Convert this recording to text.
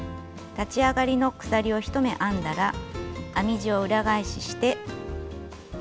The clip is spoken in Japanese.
立ち上がりの鎖を１目編んだら編み地を裏返しして。